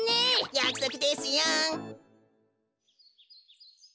やくそくですよ。